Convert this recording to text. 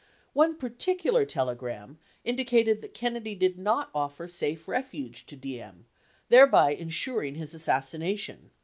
One particular telegram indicated that Kennedy did not offer safe refuge to Diem, thereby insuring his assassination.